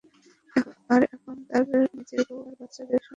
আর এখন তার নিজের বউ আর বাচ্চাদের সঙ্গ দরকার ছিলো।